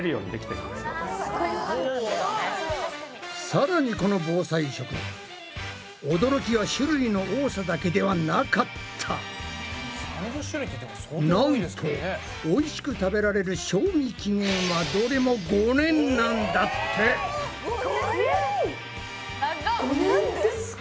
さらにこの防災食驚きは種類の多さだけではなかった！なんとおいしく食べられる賞味期限はどれも５年なんだって。え！